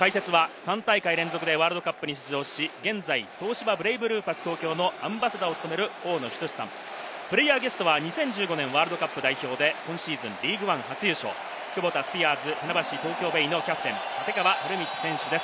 解説は３大会連続でワールドカップに出場し、現在、東芝ブレイブルーパス東京のアンバサダーを務める大野均さん、プレーヤーゲストは２０１５年ワールドカップ代表で、今季リーグワン初優勝、クボタスピアーズ船橋・東京ベイのキャプテン・立川理道選手です。